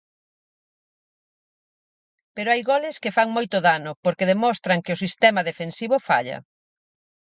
Pero hai goles que fan moito dano, porque demostran que o sistema defensivo falla.